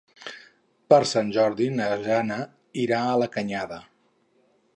Per Sant Jordi na Jana irà a la Canyada.